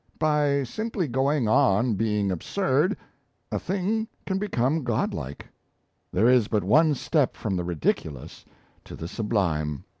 By simply going on being absurd, a thing can become godlike; there is but one step from the ridiculous to the sublime."